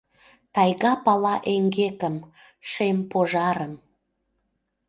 Тайга пала эҥгекым — шем пожарым.